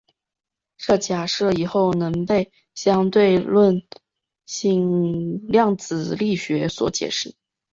这假设以后能被相对论性量子力学所解释。